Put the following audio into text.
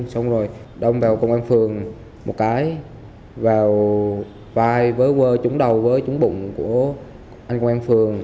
xong rồi đông vào công an phường một cái vào vai với chống đầu với chống bụng của anh công an phường